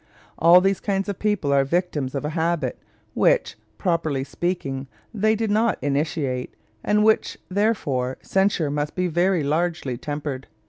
All these kinds of people are victims of a habit which, properly speaking, they did not initiate, and of which, therefore, censure must be very largely tempered.